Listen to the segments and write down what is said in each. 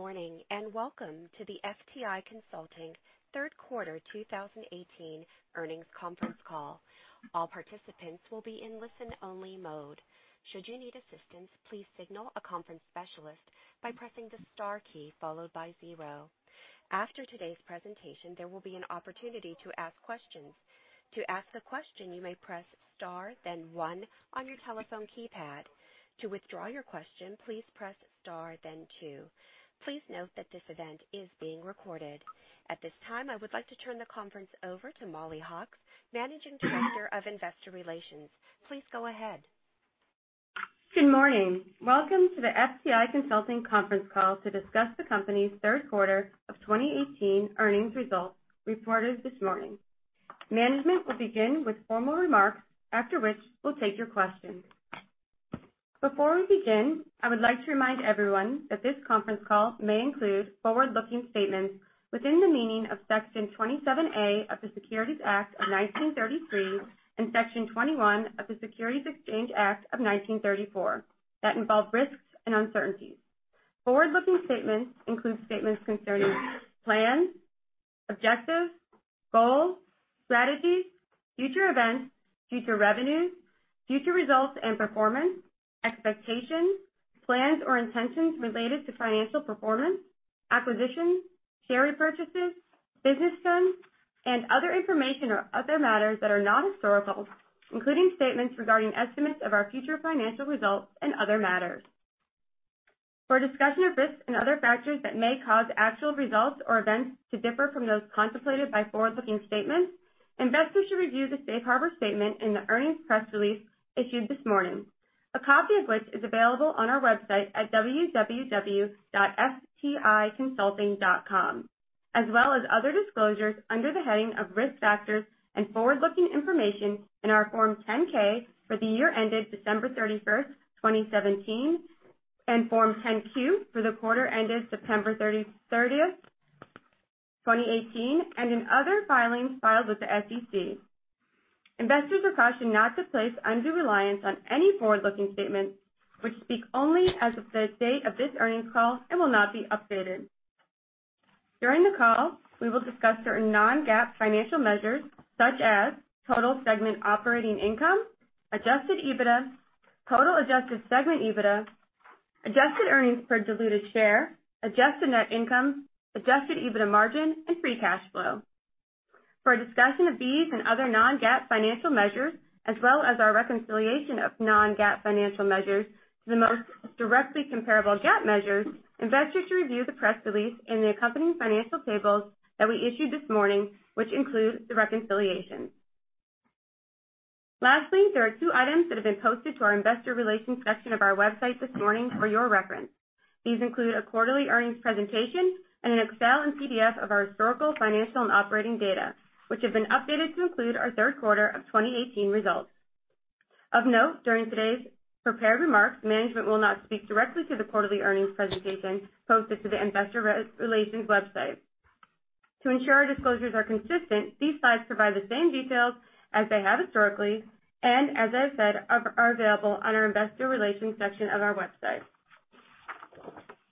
Good morning. Welcome to the FTI Consulting third quarter 2018 earnings conference call. All participants will be in listen-only mode. Should you need assistance, please signal a conference specialist by pressing the star key followed by 0. After today's presentation, there will be an opportunity to ask questions. To ask a question, you may press star then 1 on your telephone keypad. To withdraw your question, please press star then 2. Please note that this event is being recorded. At this time, I would like to turn the conference over to Mollie Hawkes, Managing Director of Investor Relations. Please go ahead. Good morning. Welcome to the FTI Consulting conference call to discuss the company's third quarter of 2018 earnings results reported this morning. Management will begin with formal remarks, after which we'll take your questions. Before we begin, I would like to remind everyone that this conference call may include forward-looking statements within the meaning of Section 27A of the Securities Act of 1933 and Section 21 of the Securities Exchange Act of 1934 that involve risks and uncertainties. Forward-looking statements include statements concerning plans, objectives, goals, strategies, future events, future revenues, future results and performance, expectations, plans or intentions related to financial performance, acquisitions, share repurchases, business trends, and other information or other matters that are not historical, including statements regarding estimates of our future financial results and other matters. For a discussion of risks and other factors that may cause actual results or events to differ from those contemplated by forward-looking statements, investors should review the safe harbor statement in the earnings press release issued this morning, a copy of which is available on our website at www.fticonsulting.com, as well as other disclosures under the heading of Risk Factors and Forward-Looking Information in our Form 10-K for the year ended December 31st, 2017, and Form 10-Q for the quarter ended September 30th, 2018, and in other filings filed with the SEC. Investors are cautioned not to place undue reliance on any forward-looking statements which speak only as of the date of this earnings call and will not be updated. During the call, we will discuss certain non-GAAP financial measures such as total segment operating income, adjusted EBITDA, total adjusted segment EBITDA, adjusted earnings per diluted share, adjusted net income, adjusted EBITDA margin, and Free Cash Flow. For a discussion of these and other non-GAAP financial measures, as well as our reconciliation of non-GAAP financial measures to the most directly comparable GAAP measures, investors should review the press release and the accompanying financial tables that we issued this morning, which include the reconciliation. Lastly, there are two items that have been posted to our investor relations section of our website this morning for your reference. These include a quarterly earnings presentation and an Excel and PDF of our historical, financial, and operating data, which have been updated to include our third quarter of 2018 results. Of note, during today's prepared remarks, management will not speak directly to the quarterly earnings presentation posted to the investor relations website. To ensure our disclosures are consistent, these slides provide the same details as they have historically and, as I said, are available on our investor relations section of our website.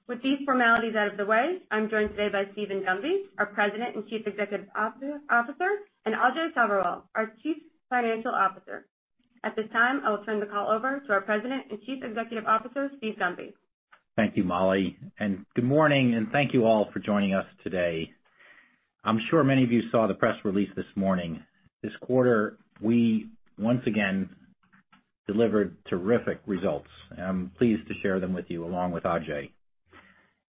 With these formalities out of the way, I'm joined today by Steven Gunby, our President and Chief Executive Officer, and Ajay Sabherwal, our Chief Financial Officer. At this time, I will turn the call over to our President and Chief Executive Officer, Steve Gunby. Thank you, Mollie. Good morning, and thank you all for joining us today. I'm sure many of you saw the press release this morning. This quarter, we once again delivered terrific results, and I'm pleased to share them with you along with Ajay.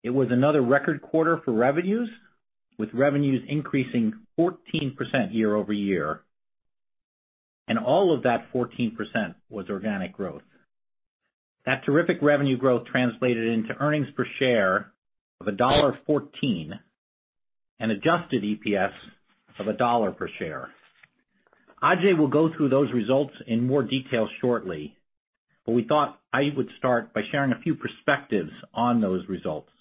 It was another record quarter for revenues, with revenues increasing 14% year-over-year. All of that 14% was organic growth. That terrific revenue growth translated into earnings per share of $1.14 and adjusted EPS of $1 per share. Ajay will go through those results in more detail shortly, but we thought I would start by sharing a few perspectives on those results.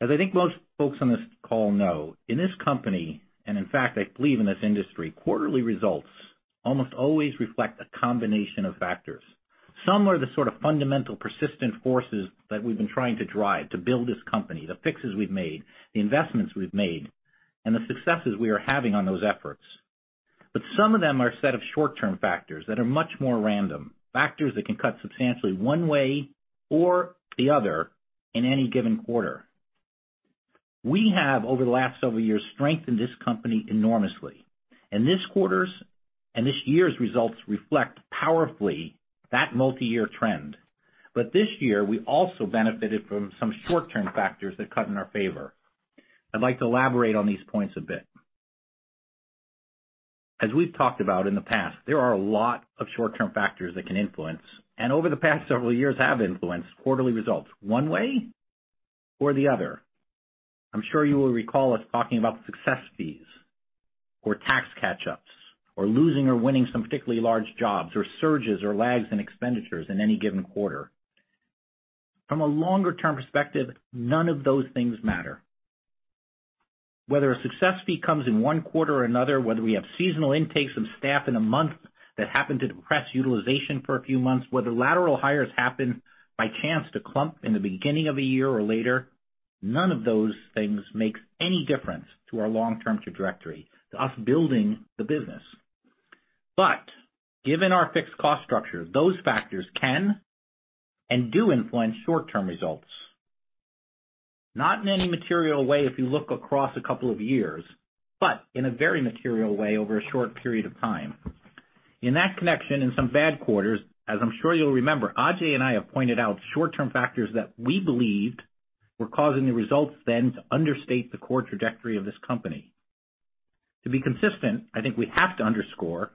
As I think most folks on this call know, in this company, and in fact, I believe in this industry, quarterly results almost always reflect a combination of factors. Some are the sort of fundamental persistent forces that we've been trying to drive to build this company, the fixes we've made, the investments we've made, and the successes we are having on those efforts. But some of them are a set of short-term factors that are much more random, factors that can cut substantially one way or the other in any given quarter. We have, over the last several years, strengthened this company enormously, and this year's results reflect powerfully that multi-year trend. But this year, we also benefited from some short-term factors that cut in our favor. I'd like to elaborate on these points a bit. As we've talked about in the past, there are a lot of short-term factors that can influence, and over the past several years have influenced quarterly results one way or the other. I'm sure you will recall us talking about success fees or tax catch-ups or losing or winning some particularly large jobs or surges or lags in expenditures in any given quarter. From a longer-term perspective, none of those things matter. Whether a success fee comes in one quarter or another, whether we have seasonal intakes of staff in a month that happen to depress utilization for a few months, whether lateral hires happen by chance to clump in the beginning of a year or later, none of those things makes any difference to our long-term trajectory, to us building the business. But given our fixed cost structure, those factors can and do influence short-term results. Not in any material way if you look across a couple of years, but in a very material way over a short period of time. In that connection, in some bad quarters, as I'm sure you'll remember, Ajay and I have pointed out short-term factors that we believed were causing the results then to understate the core trajectory of this company. To be consistent, I think we have to underscore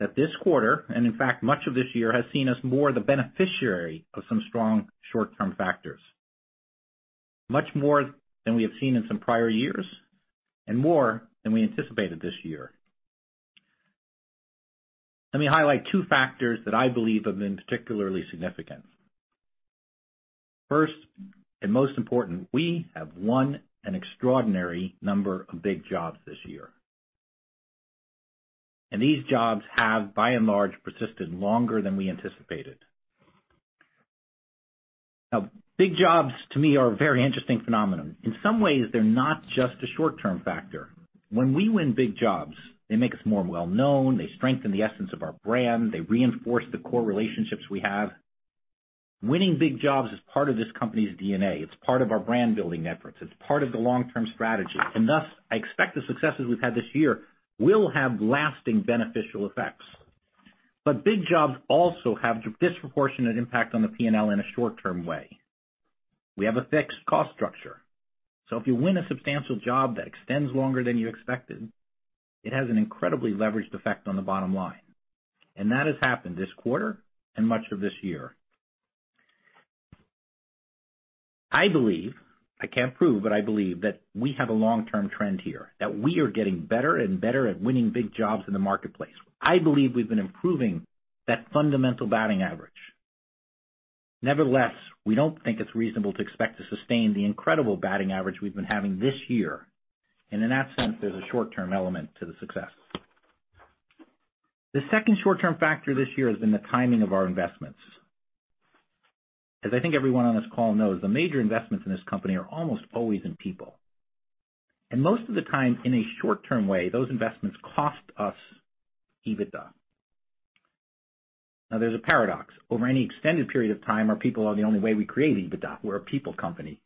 that this quarter, and in fact much of this year, has seen us more the beneficiary of some strong short-term factors. Much more than we have seen in some prior years, and more than we anticipated this year. Let me highlight two factors that I believe have been particularly significant. First, and most important, we have won an extraordinary number of big jobs this year. These jobs have, by and large, persisted longer than we anticipated. Now, big jobs to me are a very interesting phenomenon. In some ways, they're not just a short-term factor. When we win big jobs, they make us more well-known, they strengthen the essence of our brand, they reinforce the core relationships we have. Winning big jobs is part of this company's DNA. It's part of our brand-building efforts. It's part of the long-term strategy. Thus, I expect the successes we've had this year will have lasting beneficial effects. Big jobs also have disproportionate impact on the P&L in a short-term way. We have a fixed cost structure. If you win a substantial job that extends longer than you expected, it has an incredibly leveraged effect on the bottom line. That has happened this quarter and much of this year. I believe, I can't prove, but I believe that we have a long-term trend here, that we are getting better and better at winning big jobs in the marketplace. I believe we've been improving that fundamental batting average. Nevertheless, we don't think it's reasonable to expect to sustain the incredible batting average we've been having this year. In that sense, there's a short-term element to the success. The second short-term factor this year has been the timing of our investments. As I think everyone on this call knows, the major investments in this company are almost always in people. Most of the time, in a short-term way, those investments cost us EBITDA. Now there's a paradox. Over any extended period of time, our people are the only way we create EBITDA. We're a people company.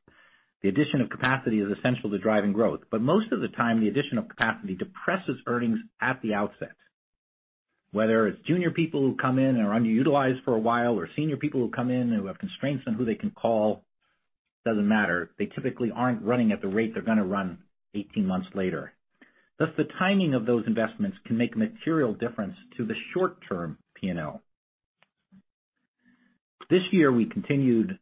The addition of capacity is essential to driving growth. Most of the time, the addition of capacity depresses earnings at the outset. Whether it's junior people who come in and are underutilized for a while, or senior people who come in who have constraints on who they can call, doesn't matter. They typically aren't running at the rate they're gonna run 18 months later. Thus, the timing of those investments can make a material difference to the short-term P&L. This year, we continued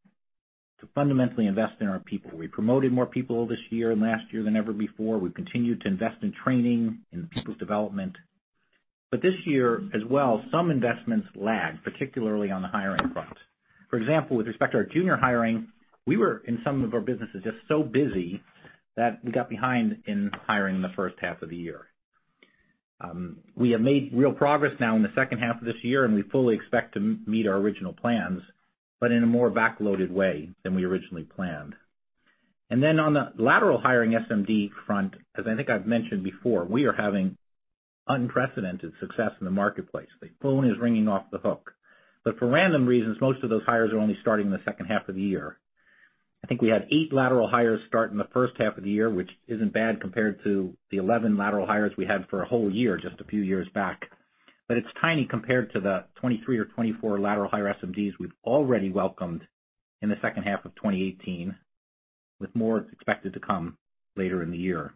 to fundamentally invest in our people. We promoted more people this year and last year than ever before. We've continued to invest in training, in people's development. This year as well, some investments lagged, particularly on the hiring front. For example, with respect to our junior hiring, we were, in some of our businesses, just so busy that we got behind in hiring in the first half of the year. We have made real progress now in the second half of this year, we fully expect to meet our original plans, but in a more back-loaded way than we originally planned. On the lateral hiring SMD front, as I think I've mentioned before, we are having unprecedented success in the marketplace. The phone is ringing off the hook. For random reasons, most of those hires are only starting in the second half of the year. I think we had eight lateral hires start in the first half of the year, which isn't bad compared to the 11 lateral hires we had for a whole year just a few years back. It's tiny compared to the 23 or 24 lateral hire SMDs we've already welcomed in the second half of 2018, with more expected to come later in the year.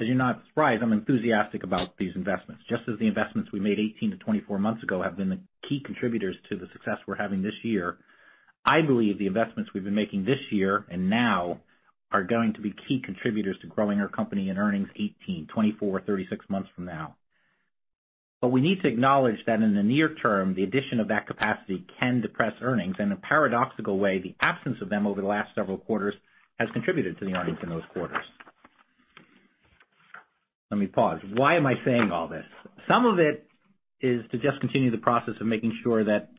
As you're not surprised, I'm enthusiastic about these investments. Just as the investments we made 18 to 24 months ago have been the key contributors to the success we're having this year. I believe the investments we've been making this year and now are going to be key contributors to growing our company in earnings 18, 24, 36 months from now. We need to acknowledge that in the near term, the addition of that capacity can depress earnings, in a paradoxical way, the absence of them over the last several quarters has contributed to the earnings in those quarters. Let me pause. Why am I saying all this? Some of it is to just continue the process of making sure that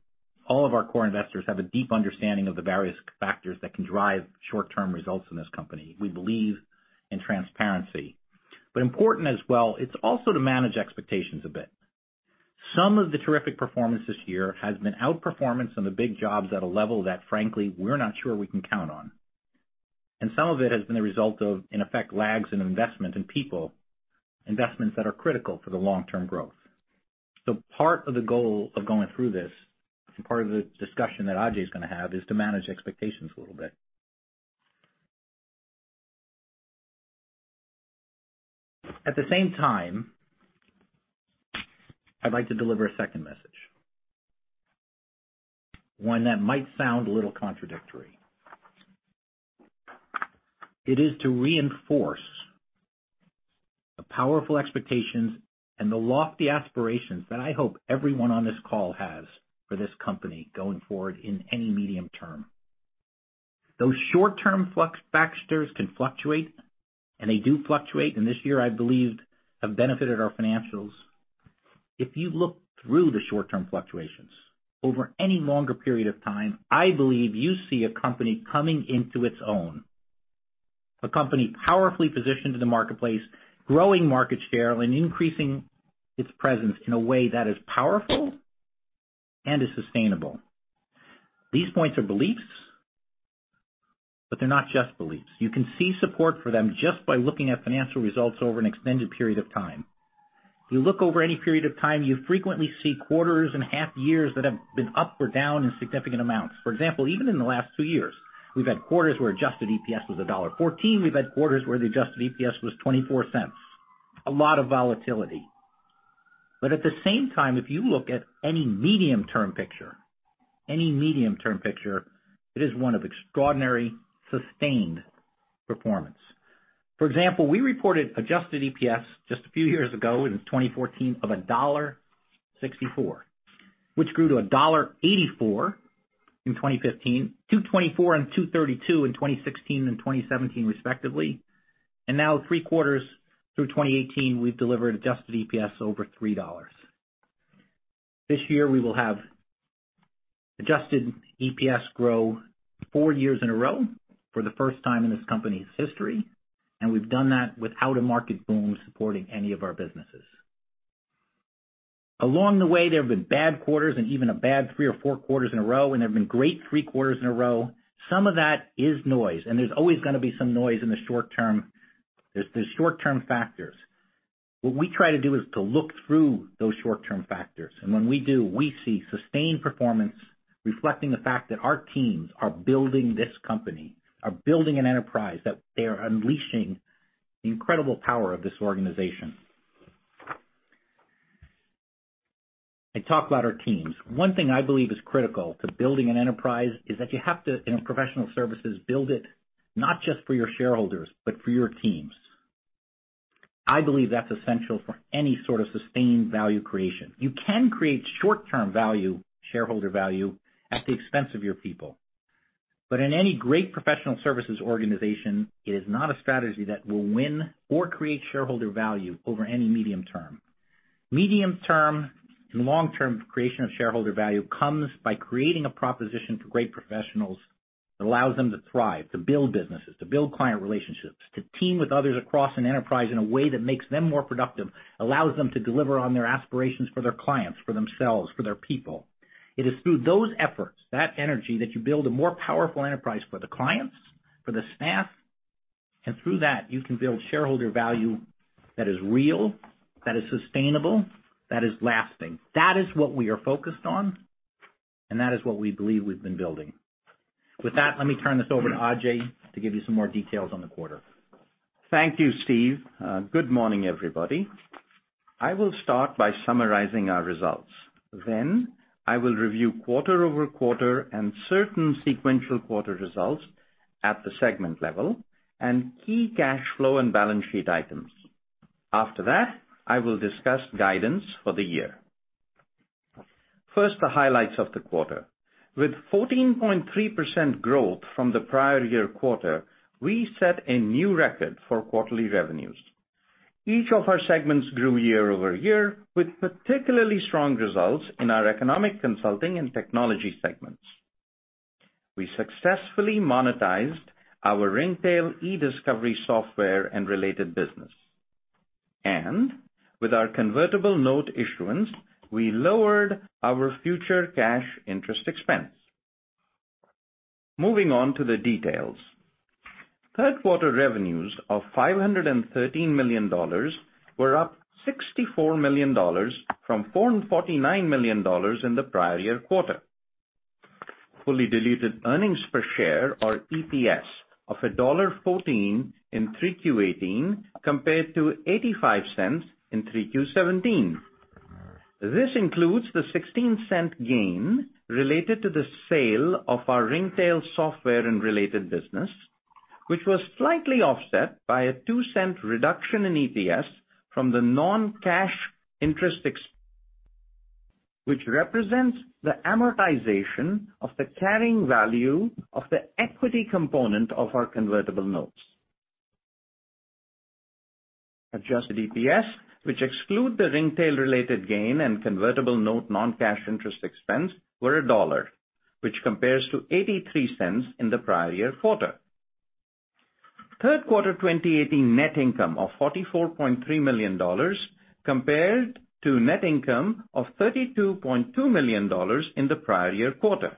all of our core investors have a deep understanding of the various factors that can drive short-term results in this company. We believe in transparency. Important as well, it's also to manage expectations a bit. Some of the terrific performance this year has been outperformance on the big jobs at a level that, frankly, we're not sure we can count on. Some of it has been a result of, in effect, lags in investment in people, investments that are critical for the long-term growth. Part of the goal of going through this, and part of the discussion that Ajay's gonna have, is to manage expectations a little bit. At the same time, I'd like to deliver a second message. One that might sound a little contradictory. It is to reinforce the powerful expectations and the lofty aspirations that I hope everyone on this call has for this company going forward in any medium term. Those short-term factors can fluctuate, and they do fluctuate, and this year, I believe, have benefited our financials. If you look through the short-term fluctuations over any longer period of time, I believe you see a company coming into its own. A company powerfully positioned in the marketplace, growing market share, and increasing its presence in a way that is powerful and is sustainable. These points are beliefs, but they're not just beliefs. You can see support for them just by looking at financial results over an extended period of time. If you look over any period of time, you frequently see quarters and half years that have been up or down in significant amounts. For example, even in the last two years, we've had quarters where adjusted EPS was $1.14. We've had quarters where the adjusted EPS was $0.24. A lot of volatility. At the same time, if you look at any medium term picture, it is one of extraordinary, sustained performance. For example, we reported adjusted EPS just a few years ago in 2014 of $1.64, which grew to $1.84 in 2015, $2.24 and $2.32 in 2016 and 2017, respectively. Now 3 quarters through 2018, we've delivered adjusted EPS over $3. This year, we will have adjusted EPS grow 4 years in a row for the first time in this company's history, and we've done that without a market boom supporting any of our businesses. Along the way, there have been bad quarters and even a bad 3 or 4 quarters in a row, and there have been great 3 quarters in a row. Some of that is noise, and there's always going to be some noise in the short term. There's short-term factors. What we try to do is to look through those short-term factors. When we do, we see sustained performance reflecting the fact that our teams are building this company, are building an enterprise, that they are unleashing the incredible power of this organization. I talk about our teams. One thing I believe is critical to building an enterprise is that you have to, in a professional services, build it not just for your shareholders, but for your teams. I believe that's essential for any sort of sustained value creation. You can create short-term value, shareholder value at the expense of your people. In any great professional services organization, it is not a strategy that will win or create shareholder value over any medium term. Medium term and long-term creation of shareholder value comes by creating a proposition to great professionals that allows them to thrive, to build businesses, to build client relationships, to team with others across an enterprise in a way that makes them more productive, allows them to deliver on their aspirations for their clients, for themselves, for their people. It is through those efforts, that energy, that you build a more powerful enterprise for the clients, for the staff, and through that, you can build shareholder value that is real, that is sustainable, that is lasting. That is what we are focused on, and that is what we believe we've been building. With that, let me turn this over to Ajay to give you some more details on the quarter. Thank you, Steve. Good morning, everybody. I will start by summarizing our results. I will review quarter-over-quarter and certain sequential quarter results at the segment level and key cash flow and balance sheet items. After that, I will discuss guidance for the year. First, the highlights of the quarter. With 14.3% growth from the prior year quarter, we set a new record for quarterly revenues. Each of our segments grew year-over-year, with particularly strong results in our economic consulting and technology segments. We successfully monetized our Ringtail e-discovery software and related business. With our convertible note issuance, we lowered our future cash interest expense. Moving on to the details. Third quarter revenues of $513 million were up $64 million from $449 million in the prior year quarter. Fully diluted earnings per share, or EPS, of $1.14 in 3Q18 compared to $0.85 in 3Q17. This includes the $0.16 gain related to the sale of our Ringtail software and related business, which was slightly offset by a $0.02 reduction in EPS from the non-cash interest expense, which represents the amortization of the carrying value of the equity component of our convertible notes. adjusted EPS, which exclude the Ringtail related gain and convertible note non-cash interest expense, were $1, which compares to $0.83 in the prior year quarter. Third quarter 2018 net income of $44.3 million compared to net income of $32.2 million in the prior year quarter.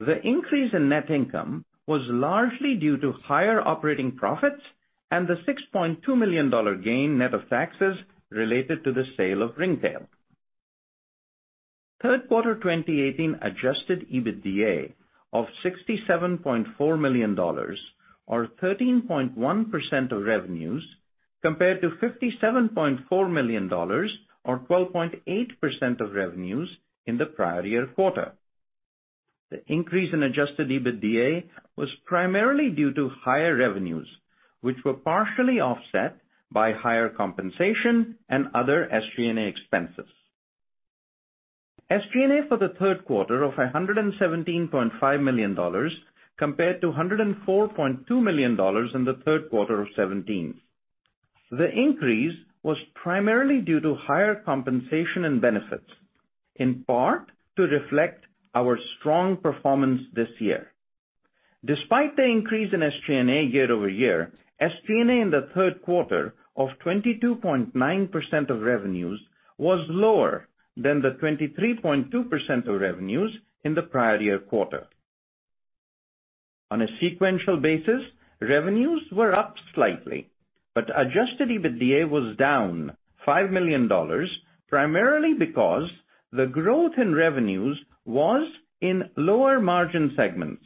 The increase in net income was largely due to higher operating profits and the $6.2 million gain, net of taxes, related to the sale of Ringtail. Third quarter 2018 adjusted EBITDA of $67.4 million or 13.1% of revenues compared to $57.4 million or 12.8% of revenues in the prior year quarter. The increase in adjusted EBITDA was primarily due to higher revenues, which were partially offset by higher compensation and other SG&A expenses. SG&A for the third quarter of $117.5 million compared to $104.2 million in the third quarter of 2017. The increase was primarily due to higher compensation and benefits, in part to reflect our strong performance this year. Despite the increase in SG&A year-over-year, SG&A in the third quarter of 22.9% of revenues was lower than the 23.2% of revenues in the prior year quarter. On a sequential basis, revenues were up slightly, but adjusted EBITDA was down $5 million, primarily because the growth in revenues was in lower margin segments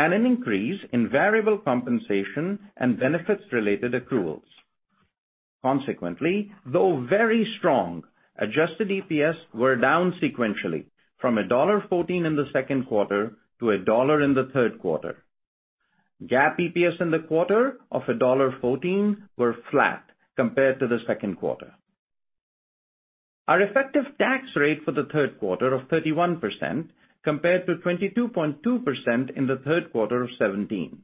and an increase in variable compensation and benefits-related accruals. Though very strong, adjusted EPS were down sequentially from $1.14 in the second quarter to $1 in the third quarter. GAAP EPS in the quarter of $1.14 were flat compared to the second quarter. Our effective tax rate for the third quarter of 31% compared to 22.2% in the third quarter of 2017.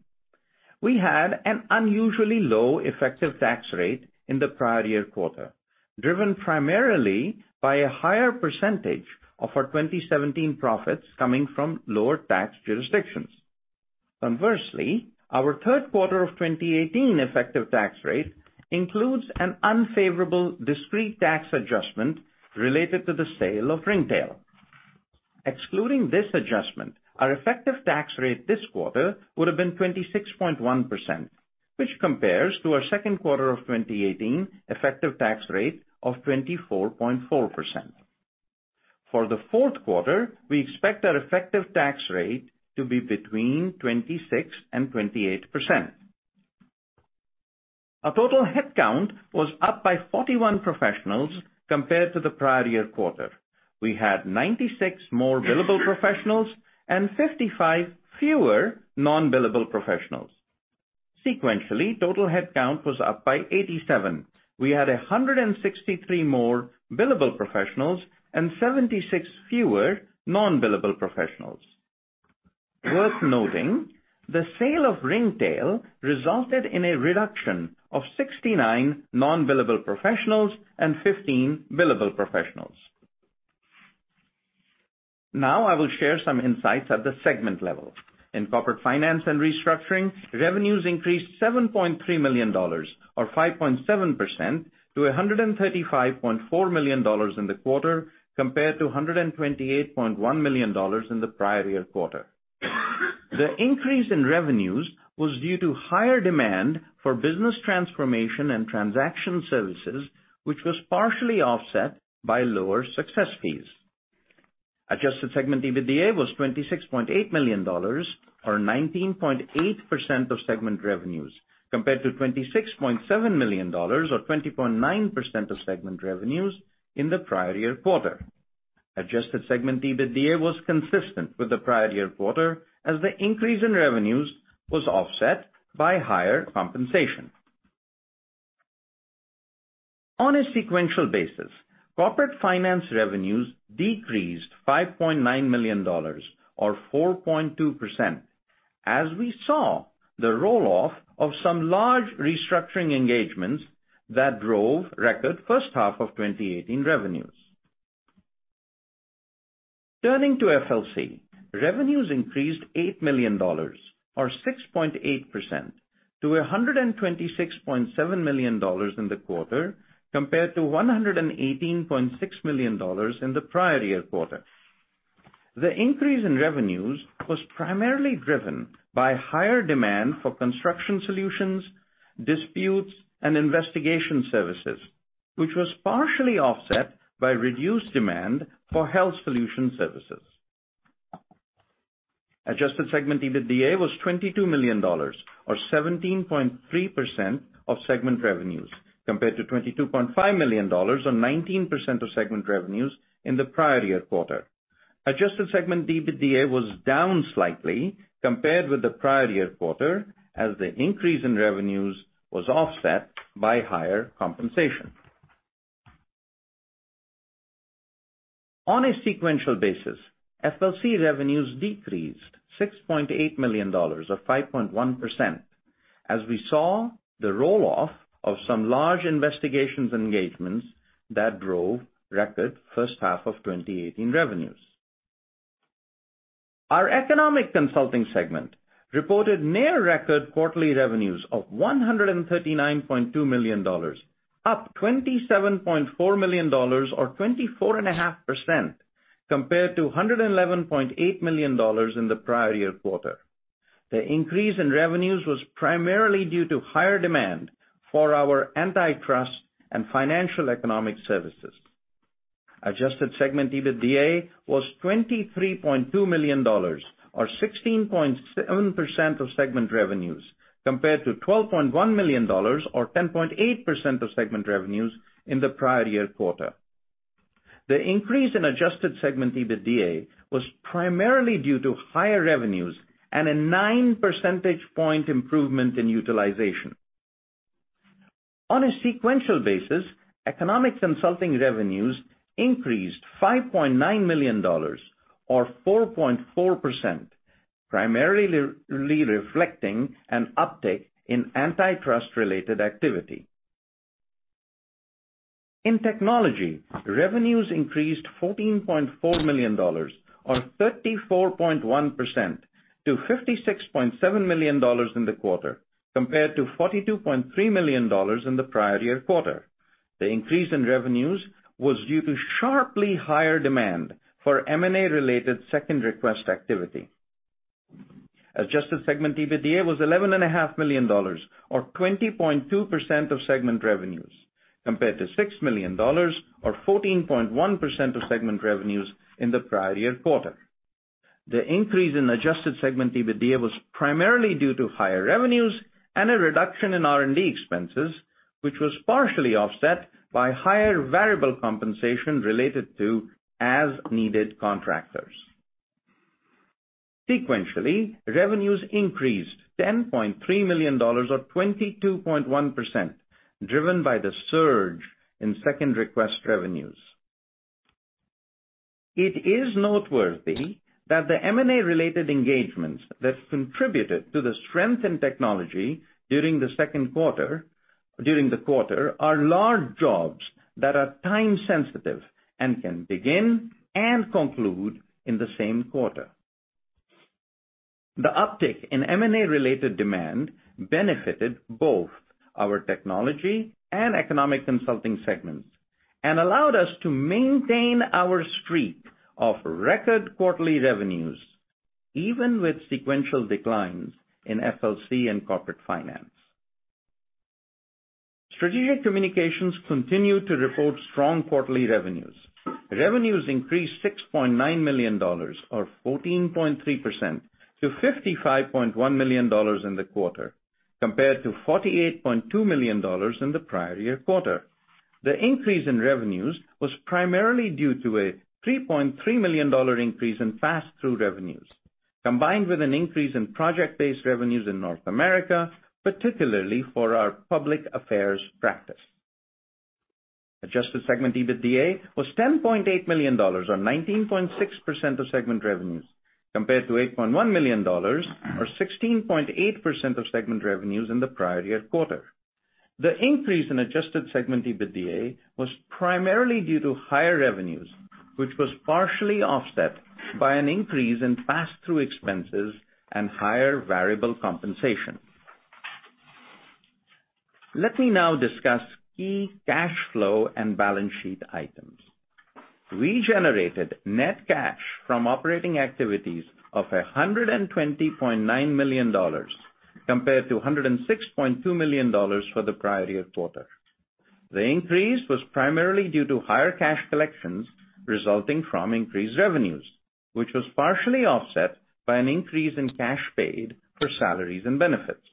We had an unusually low effective tax rate in the prior year quarter, driven primarily by a higher percentage of our 2017 profits coming from lower tax jurisdictions. Our third quarter of 2018 effective tax rate includes an unfavorable discrete tax adjustment related to the sale of Ringtail. Excluding this adjustment, our effective tax rate this quarter would have been 26.1%, which compares to our second quarter of 2018 effective tax rate of 24.4%. For the fourth quarter, we expect our effective tax rate to be between 26%-28%. Our total head count was up by 41 professionals compared to the prior year quarter. We had 96 more billable professionals and 55 fewer non-billable professionals. Total head count was up by 87. We had 163 more billable professionals and 76 fewer non-billable professionals. Worth noting, the sale of Ringtail resulted in a reduction of 69 non-billable professionals and 15 billable professionals. I will share some insights at the segment level. In Corporate Finance & Restructuring, revenues increased $7.3 million, or 5.7%, to $135.4 million in the quarter, compared to $128.1 million in the prior year quarter. The increase in revenues was due to higher demand for business transformation and transaction services, which was partially offset by lower success fees. adjusted segment EBITDA was $26.8 million, or 19.8% of segment revenues, compared to $26.7 million or 20.9% of segment revenues in the prior year quarter. Adjusted segment EBITDA was consistent with the prior year quarter, as the increase in revenues was offset by higher compensation. On a sequential basis, Corporate Finance revenues decreased $5.9 million, or 4.2%, as we saw the roll-off of some large restructuring engagements that drove record first half of 2018 revenues. Turning to FLC, revenues increased $8 million, or 6.8%, to $126.7 million in the quarter compared to $118.6 million in the prior year quarter. The increase in revenues was primarily driven by higher demand for construction solutions, disputes, and investigation services, which was partially offset by reduced demand for health solution services. Adjusted segment EBITDA was $22 million, or 17.3% of segment revenues, compared to $22.5 million or 19% of segment revenues in the prior year quarter. Adjusted segment EBITDA was down slightly compared with the prior year quarter, as the increase in revenues was offset by higher compensation. On a sequential basis, FLC revenues decreased $6.8 million, or 5.1%, as we saw the roll-off of some large investigations engagements that drove record first half of 2018 revenues. Our Economic Consulting segment reported near record quarterly revenues of $139.2 million, up $27.4 million or 24.5% compared to $111.8 million in the prior year quarter. The increase in revenues was primarily due to higher demand for our antitrust and financial economic services. Adjusted segment EBITDA was $23.2 million, or 16.7% of segment revenues, compared to $12.1 million or 10.8% of segment revenues in the prior year quarter. The increase in adjusted segment EBITDA was primarily due to higher revenues and a nine percentage point improvement in utilization. On a sequential basis, Economic Consulting revenues increased $5.9 million, or 4.4%, primarily reflecting an uptick in antitrust-related activity. In Technology, revenues increased $14.4 million or 34.1% to $56.7 million in the quarter, compared to $42.3 million in the prior year quarter. The increase in revenues was due to sharply higher demand for M&A-related second request activity. Adjusted segment EBITDA was $11.5 million, or 20.2% of segment revenues, compared to $6 million or 14.1% of segment revenues in the prior year quarter. The increase in adjusted segment EBITDA was primarily due to higher revenues and a reduction in R&D expenses, which was partially offset by higher variable compensation related to as-needed contractors. Sequentially, revenues increased $10.3 million or 22.1%, driven by the surge in second request revenues. It is noteworthy that the M&A-related engagements that contributed to the strength in Technology during the quarter are large jobs that are time sensitive and can begin and conclude in the same quarter. The uptick in M&A-related demand benefited both our Technology and Economic Consulting segments and allowed us to maintain our streak of record quarterly revenues, even with sequential declines in FLC and Corporate Finance. Strategic Communications continued to report strong quarterly revenues. Revenues increased $6.9 million or 14.3% to $55.1 million in the quarter, compared to $48.2 million in the prior year quarter. The increase in revenues was primarily due to a $3.3 million increase in pass-through revenues, combined with an increase in project-based revenues in North America, particularly for our public affairs practice. Adjusted segment EBITDA was $10.8 million or 19.6% of segment revenues, compared to $8.1 million or 16.8% of segment revenues in the prior year quarter. The increase in adjusted segment EBITDA was primarily due to higher revenues, which was partially offset by an increase in pass-through expenses and higher variable compensation. Let me now discuss key cash flow and balance sheet items. We generated net cash from operating activities of $120.9 million compared to $106.2 million for the prior year quarter. The increase was primarily due to higher cash collections resulting from increased revenues, which was partially offset by an increase in cash paid for salaries and benefits.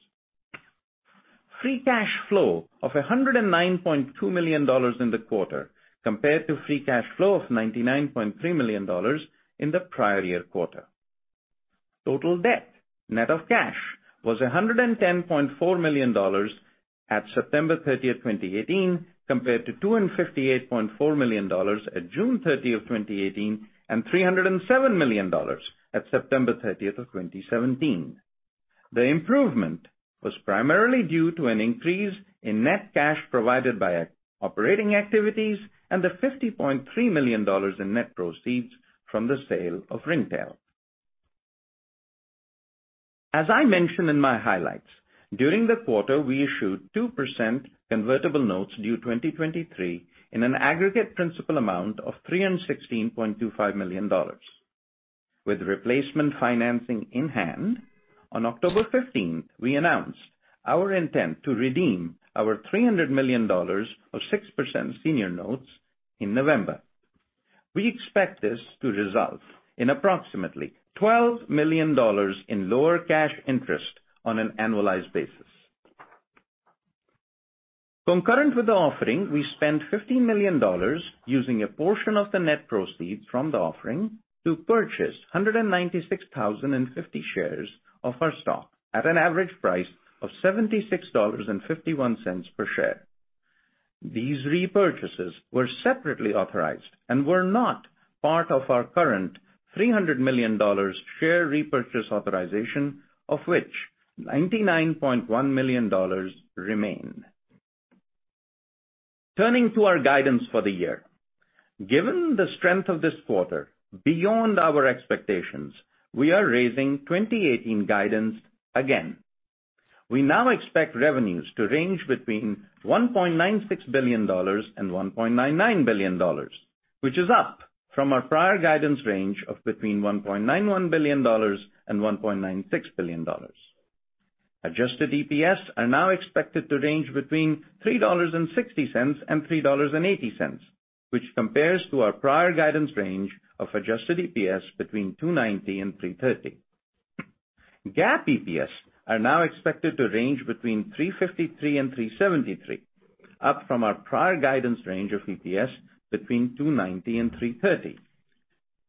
Free Cash Flow of $109.2 million in the quarter compared to Free Cash Flow of $99.3 million in the prior year quarter. Total debt net of cash was $110.4 million at September 30, 2018, compared to $258.4 million at June 30, 2018, and $307 million at September 30, 2017. The improvement was primarily due to an increase in net cash provided by operating activities and the $50.3 million in net proceeds from the sale of Ringtail. As I mentioned in my highlights, during the quarter, we issued 2% convertible notes due 2023 in an aggregate principal amount of $316.25 million. With replacement financing in hand, on October 15, we announced our intent to redeem our $300 million of 6% senior notes in November. We expect this to result in approximately $12 million in lower cash interest on an annualized basis. Concurrent with the offering, we spent $50 million using a portion of the net proceeds from the offering to purchase 196,050 shares of our stock at an average price of $76.51 per share. These repurchases were separately authorized and were not part of our current $300 million share repurchase authorization, of which $99.1 million remain. Turning to our guidance for the year. Given the strength of this quarter beyond our expectations, we are raising 2018 guidance again. We now expect revenues to range between $1.96 billion-$1.99 billion, which is up from our prior guidance range of between $1.91 billion-$1.96 billion. Adjusted EPS are now expected to range between $3.60-$3.80, which compares to our prior guidance range of Adjusted EPS between $2.90-$3.30. GAAP EPS are now expected to range between $3.53-$3.73, up from our prior guidance range of EPS between $2.90-$3.30.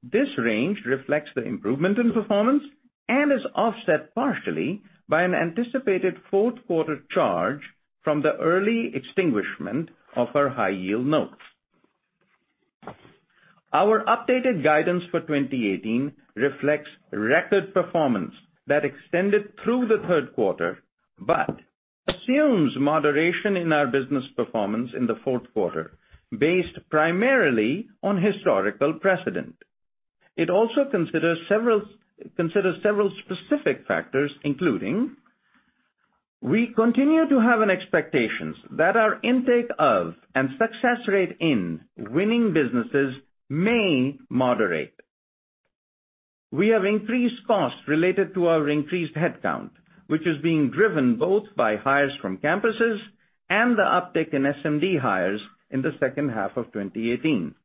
This range reflects the improvement in performance and is offset partially by an anticipated fourth quarter charge from the early extinguishment of our high-yield notes. Our updated guidance for 2018 reflects record performance that extended through the third quarter but assumes moderation in our business performance in the fourth quarter, based primarily on historical precedent. It also considers several specific factors, including, we continue to have an expectations that our intake of and success rate in winning businesses may moderate. We have increased costs related to our increased headcount, which is being driven both by hires from campuses and the uptick in SMD hires in the second half of 2018.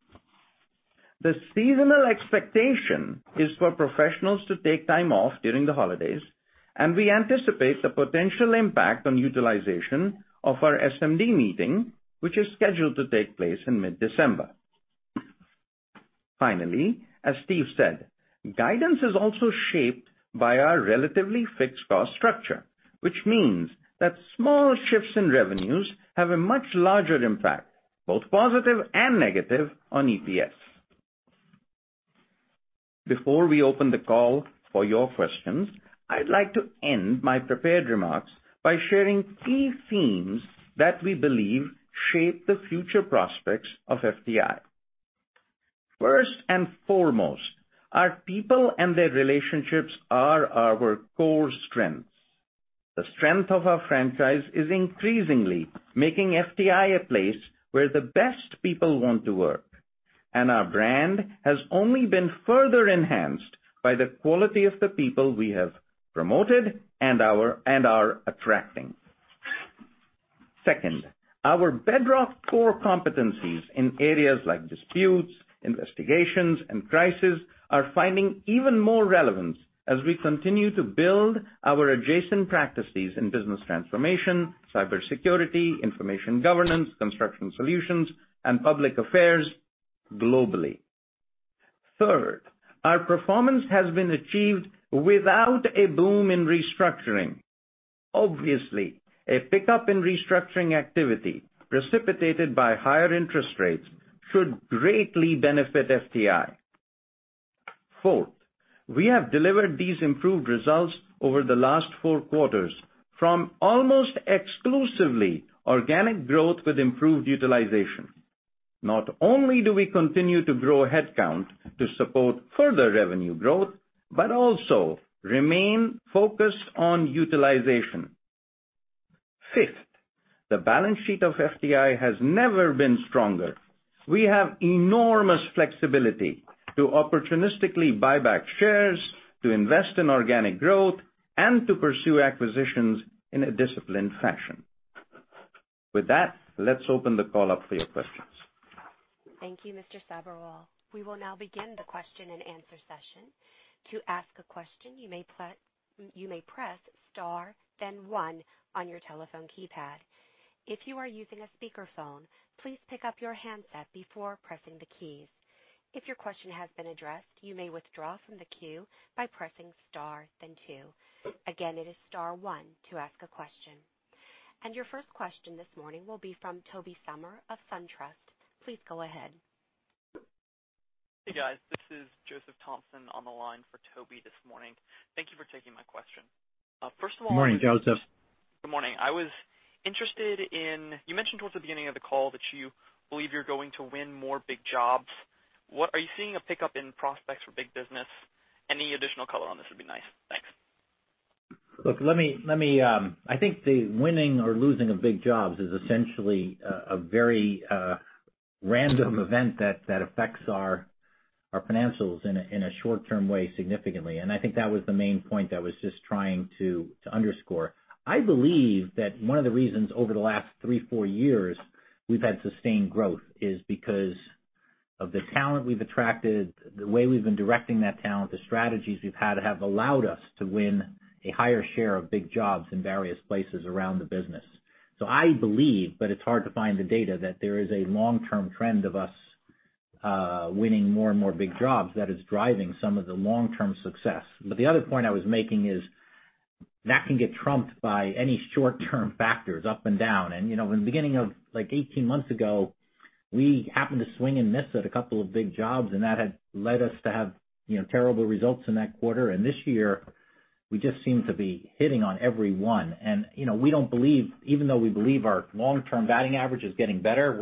The seasonal expectation is for professionals to take time off during the holidays. We anticipate the potential impact on utilization of our SMD meeting, which is scheduled to take place in mid-December. Finally, as Steve said, guidance is also shaped by our relatively fixed cost structure, which means that small shifts in revenues have a much larger impact, both positive and negative, on EPS. Before we open the call for your questions, I'd like to end my prepared remarks by sharing key themes that we believe shape the future prospects of FTI. First and foremost, our people and their relationships are our core strengths. The strength of our franchise is increasingly making FTI a place where the best people want to work. Our brand has only been further enhanced by the quality of the people we have promoted and are attracting. Second, our bedrock core competencies in areas like disputes, investigations, and crisis are finding even more relevance as we continue to build our adjacent practices in business transformation, cybersecurity, information governance, construction solutions, and public affairs globally. Third, our performance has been achieved without a boom in restructuring. Obviously, a pickup in restructuring activity precipitated by higher interest rates should greatly benefit FTI. Fourth, we have delivered these improved results over the last four quarters from almost exclusively organic growth with improved utilization. Not only do we continue to grow headcount to support further revenue growth, but also remain focused on utilization. Fifth, the balance sheet of FTI has never been stronger. We have enormous flexibility to opportunistically buy back shares, to invest in organic growth, and to pursue acquisitions in a disciplined fashion. With that, let's open the call up for your questions. Thank you, Mr. Sabherwal. We will now begin the question and answer session. To ask a question, you may press star then one on your telephone keypad. If you are using a speakerphone, please pick up your handset before pressing the keys. If your question has been addressed, you may withdraw from the queue by pressing star then two. Again, it is star one to ask a question. Your first question this morning will be from Tobey Sommer of SunTrust. Please go ahead. Hey, guys. This is Joseph Thompson on the line for Tobey this morning. Thank you for taking my question. Morning, Joseph. Good morning. I was interested in, you mentioned towards the beginning of the call that you believe you're going to win more big jobs. Are you seeing a pickup in prospects for big business? Any additional color on this would be nice. Thanks. Look, I think the winning or losing of big jobs is essentially a very random event that affects our financials in a short-term way significantly. I think that was the main point I was just trying to underscore. I believe that one of the reasons over the last three, four years we've had sustained growth is because of the talent we've attracted, the way we've been directing that talent, the strategies we've had have allowed us to win a higher share of big jobs in various places around the business. I believe, but it's hard to find the data, that there is a long-term trend of us winning more and more big jobs that is driving some of the long-term success. The other point I was making is that can get trumped by any short-term factors up and down. In the beginning of, like 18 months ago, we happened to swing and miss at a couple of big jobs, and that had led us to have terrible results in that quarter. This year, we just seem to be hitting on every one. Even though we believe our long-term batting average is getting better,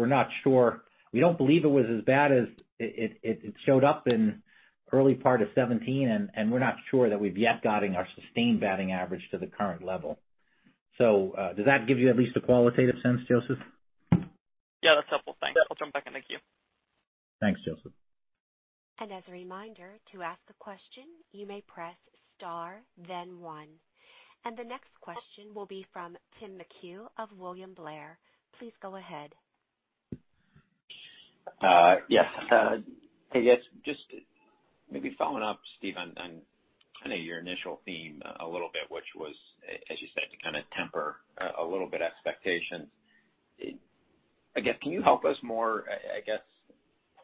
we don't believe it was as bad as it showed up in early part of 2017, and we're not sure that we've yet got our sustained batting average to the current level. Does that give you at least a qualitative sense, Joseph? Yeah, that's helpful. Thanks. I'll jump back in the queue. Thanks, Joseph. As a reminder, to ask a question, you may press star then 1. The next question will be from Timothy McHugh of William Blair & Company. Please go ahead. Yes. Just maybe following up, Steve, on kind of your initial theme a little bit, which was, as you said, to kind of temper a little bit expectations. I guess, can you help us more, I guess,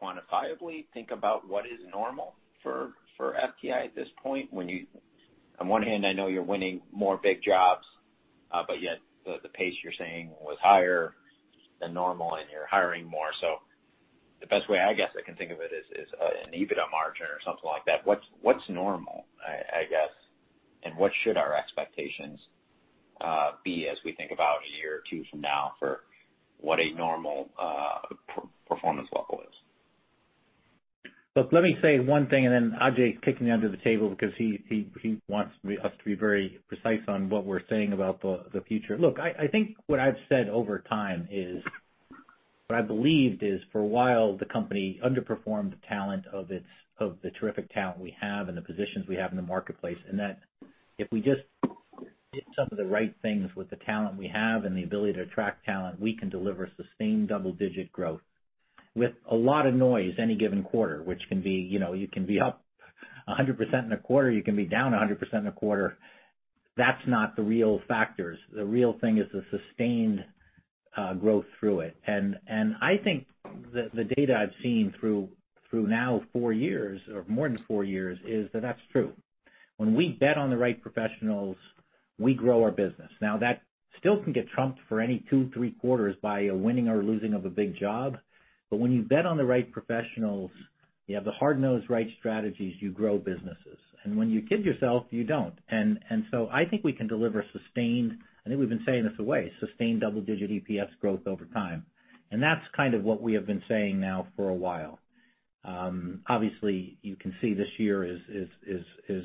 quantifiably think about what is normal for FTI Consulting at this point? On one hand, I know you're winning more big jobs, but yet the pace you're saying was higher than normal and you're hiring more. The best way, I guess, I can think of it is an EBITDA margin or something like that. What's normal, I guess, and what should our expectations be as we think about a year or two from now for what a normal performance level is? Look, let me say one thing. Then Ajay's kicking me under the table because he wants us to be very precise on what we're saying about the future. Look, I think what I've said over time is, what I believed is for a while, the company underperformed the terrific talent we have and the positions we have in the marketplace, and that if we just did some of the right things with the talent we have and the ability to attract talent, we can deliver sustained double-digit growth with a lot of noise any given quarter, which can be, you can be up 100% in a quarter, you can be down 100% in a quarter. That's not the real factors. The real thing is the sustained growth through it. I think the data I've seen through now four years or more than four years is that that's true. When we bet on the right professionals, we grow our business. Now, that still can get trumped for any two, three quarters by a winning or losing of a big job. When you bet on the right professionals, you have the hard-nosed right strategies, you grow businesses. When you kid yourself, you don't. I think we can deliver sustained, I think we've been saying this a way, sustained double-digit EPS growth over time. That's kind of what we have been saying now for a while. Obviously, you can see this year is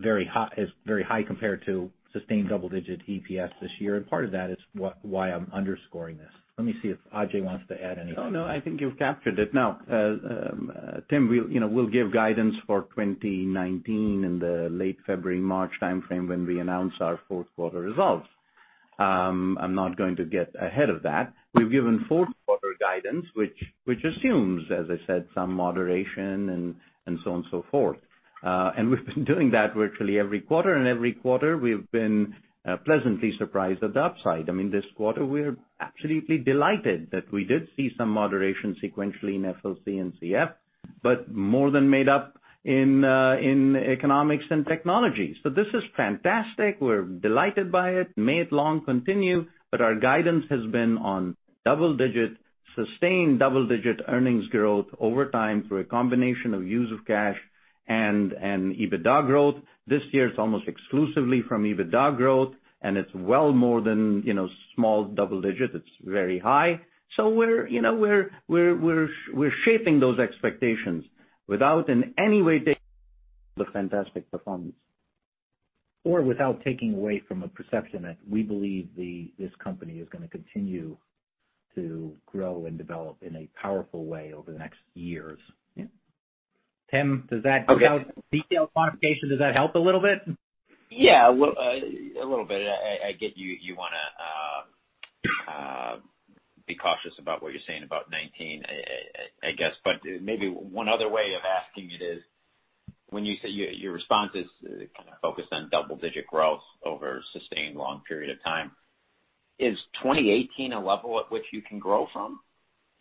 very high compared to sustained double-digit EPS this year. Part of that is why I'm underscoring this. Let me see if Ajay wants to add anything. Oh, no, I think you've captured it. Now, Tim, we'll give guidance for 2019 in the late February, March timeframe when we announce our fourth quarter results. I'm not going to get ahead of that. We've given fourth quarter guidance, which assumes, as I said, some moderation and so on and so forth. We've been doing that virtually every quarter, and every quarter we've been pleasantly surprised at the upside. I mean, this quarter we're absolutely delighted that we did see some moderation sequentially in FLC and CF, but more than made up in economics and technology. This is fantastic. We're delighted by it. May it long continue, but our guidance has been on double-digit, sustained double-digit earnings growth over time through a combination of use of cash and EBITDA growth. This year it's almost exclusively from EBITDA growth, and it's well more than small double digits. It's very high. We're shaping those expectations without in any way taking away from the fantastic performance. Without taking away from the perception that we believe this company is going to continue to grow and develop in a powerful way over the next years. Yeah. Tim, does that give out detailed quantification? Does that help a little bit? Yeah, a little bit. I get you want to be cautious about what you're saying about 2019, I guess. Maybe one other way of asking it is, when you say your response is kind of focused on double-digit growth over a sustained long period of time, is 2018 a level at which you can grow from?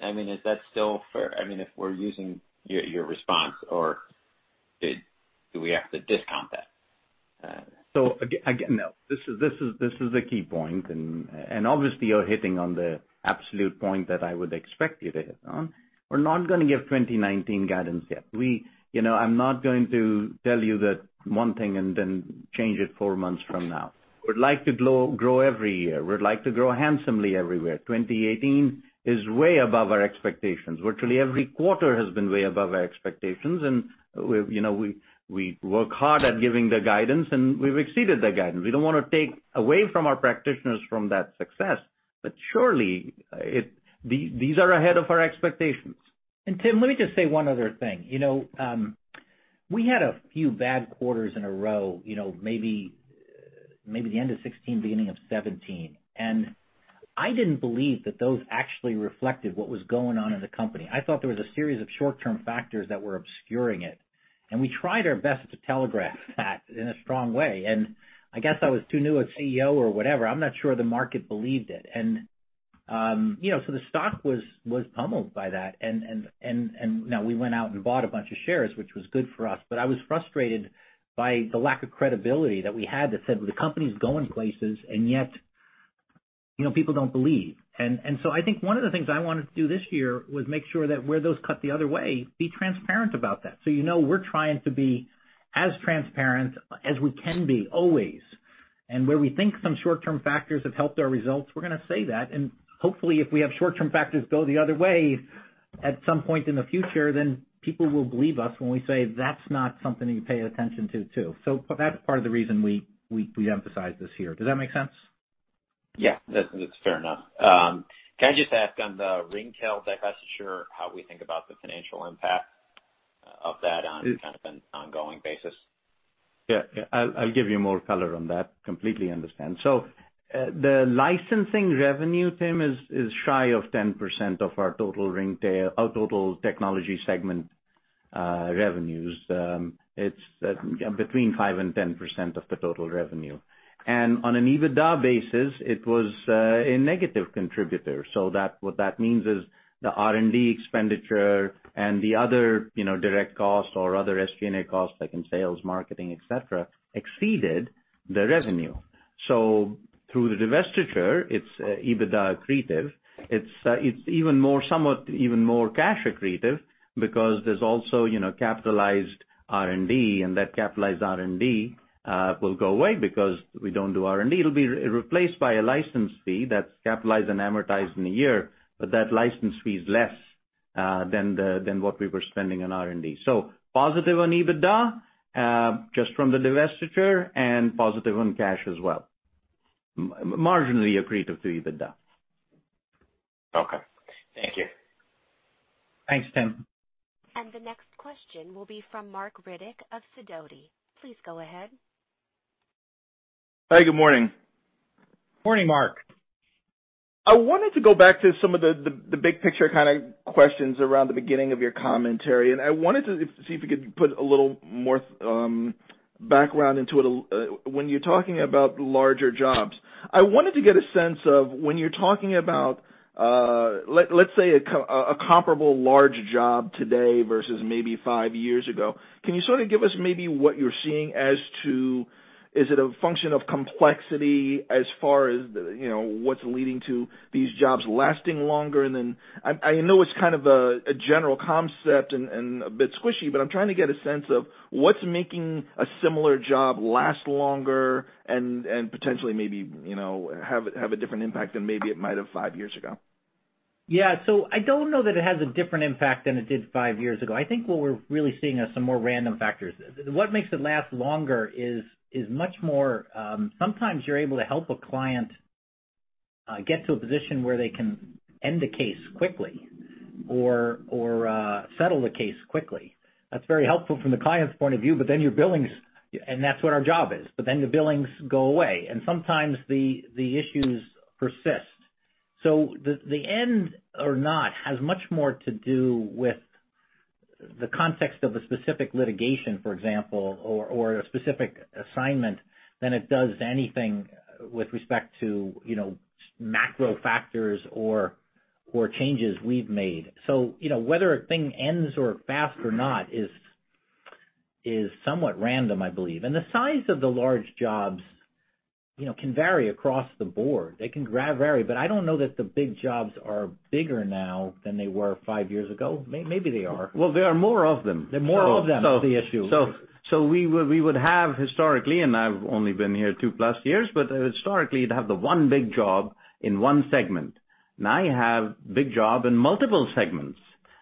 I mean, is that still fair? I mean, if we're using your response, or do we have to discount that? Again, this is the key point, and obviously you're hitting on the absolute point that I would expect you to hit on. We're not going to give 2019 guidance yet. I'm not going to tell you that one thing and then change it four months from now. We'd like to grow every year. We'd like to grow handsomely everywhere. 2018 is way above our expectations. Virtually every quarter has been way above our expectations, and we work hard at giving the guidance, and we've exceeded the guidance. We don't want to take away from our practitioners from that success. Surely, these are ahead of our expectations. Tim, let me just say one other thing. We had a few bad quarters in a row, maybe the end of 2016, beginning of 2017. I didn't believe that those actually reflected what was going on in the company. I thought there was a series of short-term factors that were obscuring it. We tried our best to telegraph that in a strong way. I guess I was too new a CEO or whatever. I'm not sure the market believed it. The stock was pummeled by that. Now we went out and bought a bunch of shares, which was good for us, but I was frustrated by the lack of credibility that we had that said, "Well, the company's going places, and yet people don't believe." I think one of the things I wanted to do this year was make sure that where those cut the other way, be transparent about that. You know we're trying to be as transparent as we can be always. Where we think some short-term factors have helped our results, we're going to say that. Hopefully, if we have short-term factors go the other way at some point in the future, then people will believe us when we say that's not something you pay attention to, too. That's part of the reason we emphasize this here. Does that make sense? Yeah. That's fair enough. Can I just ask on the Ringtail divestiture, how we think about the financial impact of that on kind of an ongoing basis? Yeah. I'll give you more color on that. Completely understand. The licensing revenue, Tim, is shy of 10% of our total technology segment revenues. It's between 5% and 10% of the total revenue. On an EBITDA basis, it was a negative contributor. What that means is the R&D expenditure and the other direct costs or other SG&A costs, like in sales, marketing, et cetera, exceeded the revenue. Through the divestiture, it's EBITDA accretive. It's somewhat even more cash accretive because there's also capitalized R&D, and that capitalized R&D will go away because we don't do R&D. It'll be replaced by a license fee that's capitalized and amortized in a year, but that license fee is less than what we were spending on R&D. Positive on EBITDA, just from the divestiture, and positive on cash as well. Marginally accretive to EBITDA. Okay. Thank you. Thanks, Tim. The next question will be from Marc Riddick of Sidoti. Please go ahead. Hi, good morning. Morning, Marc. I wanted to go back to some of the big-picture kind of questions around the beginning of your commentary, I wanted to see if you could put a little more background into it. When you're talking about larger jobs, I wanted to get a sense of, when you're talking about let's say a comparable large job today versus maybe 5 years ago, can you sort of give us maybe what you're seeing as to, is it a function of complexity as far as what's leading to these jobs lasting longer? Then I know it's kind of a general concept and a bit squishy, but I'm trying to get a sense of what's making a similar job last longer and potentially maybe have a different impact than maybe it might have 5 years ago. Yeah. I don't know that it has a different impact than it did 5 years ago. I think what we're really seeing are some more random factors. What makes it last longer is much more, sometimes you're able to help a client get to a position where they can end the case quickly or settle the case quickly. That's very helpful from the client's point of view, and that's what our job is. The billings go away, and sometimes the issues persist. The end or not has much more to do with the context of a specific litigation, for example, or a specific assignment than it does anything with respect to macro factors or changes we've made. Whether a thing ends or fast or not is somewhat random, I believe. The size of the large jobs can vary across the board. They can vary. I don't know that the big jobs are bigger now than they were 5 years ago. Maybe they are. Well, there are more of them. There are more of them is the issue. We would have historically, and I've only been here two-plus years, but historically, you'd have the one big job in one segment. Now you have big job in multiple segments.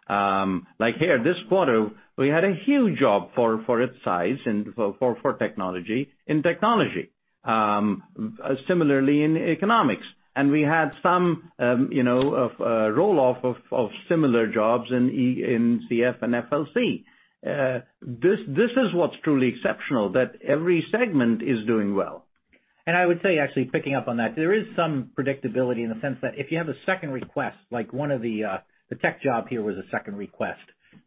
Like here this quarter, we had a huge job for its size for technology in technology. Similarly in economics. We had some roll-off of similar jobs in CF and FLC. This is what's truly exceptional, that every segment is doing well. I would say, actually picking up on that, there is some predictability in the sense that if you have a second request, like one of the tech job here was a second request.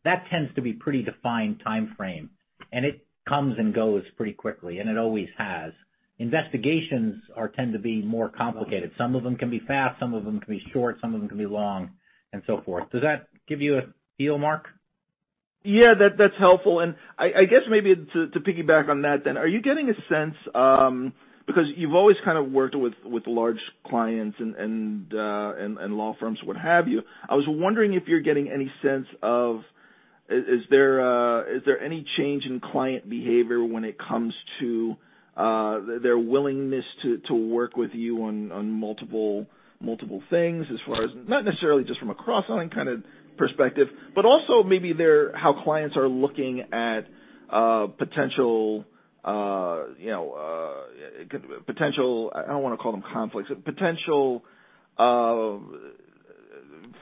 That tends to be pretty defined timeframe, and it comes and goes pretty quickly, and it always has. Investigations tend to be more complicated. Some of them can be fast, some of them can be short, some of them can be long, and so forth. Does that give you a feel, Marc? Yeah, that's helpful. I guess maybe to piggyback on that then, are you getting a sense, because you've always kind of worked with large clients and law firms, what have you. I was wondering if you're getting any sense of, is there any change in client behavior when it comes to their willingness to work with you on multiple things as far as, not necessarily just from a cross-selling kind of perspective, but also maybe how clients are looking at potential, I don't want to call them conflicts, potential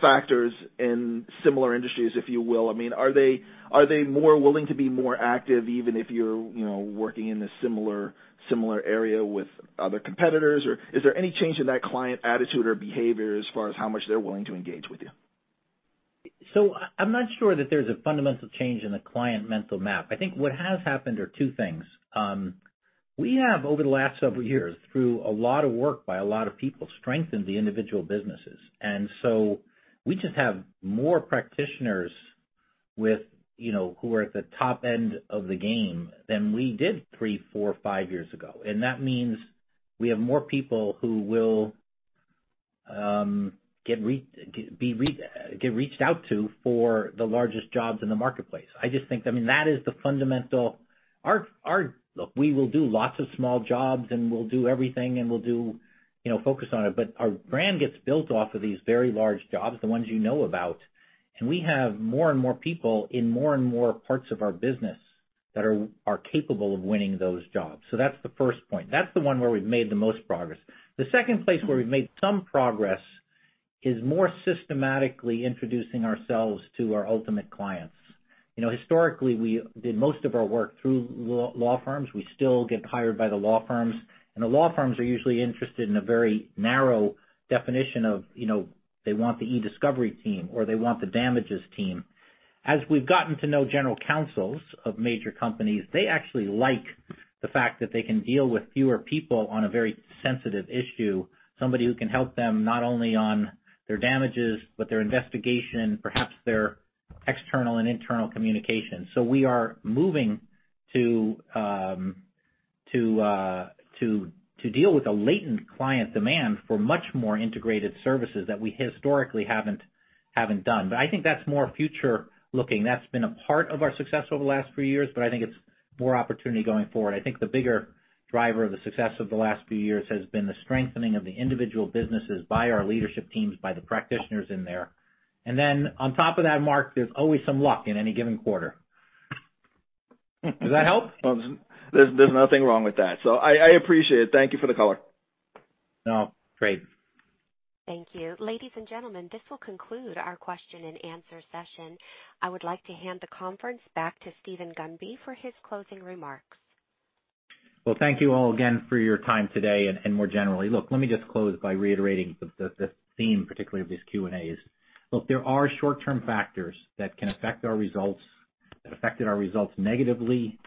factors in similar industries, if you will. Are they more willing to be more active even if you're working in a similar area with other competitors? Is there any change in that client attitude or behavior as far as how much they're willing to engage with you? I'm not sure that there's a fundamental change in the client mental map. I think what has happened are two things. We have, over the last several years, through a lot of work by a lot of people, strengthened the individual businesses. We just have more practitioners who are at the top end of the game than we did three, four, five years ago. That means we have more people who will get reached out to for the largest jobs in the marketplace. Look, we will do lots of small jobs, and we'll do everything, and we'll focus on it. Our brand gets built off of these very large jobs, the ones you know about. We have more and more people in more and more parts of our business that are capable of winning those jobs. That's the first point. That's the one where we've made the most progress. The second place where we've made some progress Is more systematically introducing ourselves to our ultimate clients. Historically, we did most of our work through law firms. We still get hired by the law firms, and the law firms are usually interested in a very narrow definition of, they want the e-discovery team, or they want the damages team. As we've gotten to know general counsels of major companies, they actually like the fact that they can deal with fewer people on a very sensitive issue, somebody who can help them not only on their damages, but their investigation, perhaps their external and internal communication. We are moving to deal with a latent client demand for much more integrated services that we historically haven't done. I think that's more future-looking. That's been a part of our success over the last few years, but I think it's more opportunity going forward. I think the bigger driver of the success of the last few years has been the strengthening of the individual businesses by our leadership teams, by the practitioners in there. Then on top of that, Marc, there's always some luck in any given quarter. Does that help? There's nothing wrong with that, I appreciate it. Thank you for the color. Great. Thank you. Ladies and gentlemen, this will conclude our question and answer session. I would like to hand the conference back to Steven Gunby for his closing remarks. Well, thank you all again for your time today, and more generally. Look, let me just close by reiterating the theme, particularly of these Q&As. Look, there are short-term factors that can affect our results, that affected our results negatively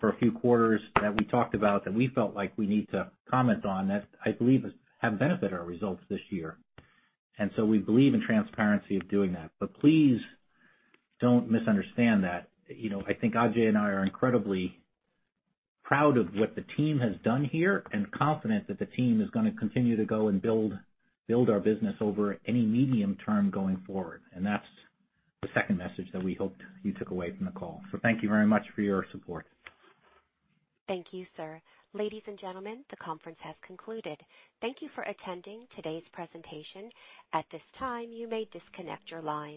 for a few quarters that we talked about, that we felt like we need to comment on, that I believe have benefited our results this year. So we believe in transparency of doing that. Please don't misunderstand that. I think Ajay and I are incredibly proud of what the team has done here and confident that the team is going to continue to go and build our business over any medium term going forward. That's the second message that we hoped you took away from the call. So thank you very much for your support. Thank you, sir. Ladies and gentlemen, the conference has concluded. Thank you for attending today's presentation. At this time, you may disconnect your lines.